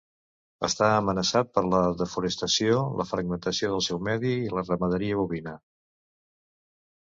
Està amenaçat per la desforestació, la fragmentació del seu medi i la ramaderia bovina.